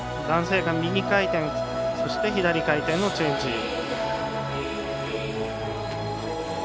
男性が、右回転そして左回転のチェンジ。